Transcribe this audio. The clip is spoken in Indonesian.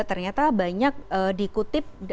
ternyata banyak dikutip